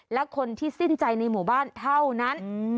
และคนที่สิ้นใจในหมู่บ้านเท่านั้น